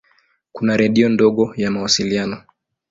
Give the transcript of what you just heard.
Kuna redio ndogo ya mawasiliano.